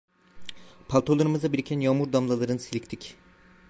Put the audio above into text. Paltolarımıza biriken yağmur damlalarını silktik.